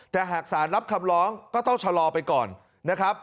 แต่หากสารรับคำร้องก็ต้องชะลอไปก่อนนะครับ